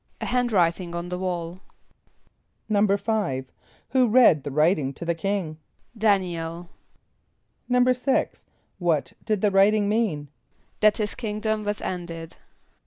=A hand writing on the wall.= =5.= Who read the writing to the king? =D[)a]n´iel.= =6.= What did the writing mean? =That his kingdom was ended.